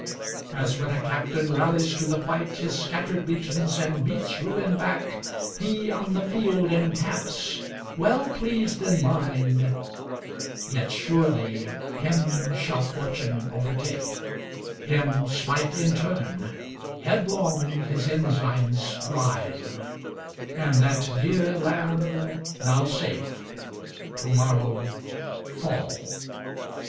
As when a captain rallies to the fight His scattered legions, and beats ruin back, He, on the field, encamps, well pleased in mind. Yet surely him shall fortune overtake, Him smite in turn, headlong his ensigns drive; And that dear land, now safe, to morrow fall.